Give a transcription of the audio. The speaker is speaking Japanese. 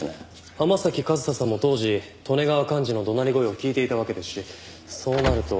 浜崎和沙さんも当時利根川寛二の怒鳴り声を聞いていたわけですしそうなると。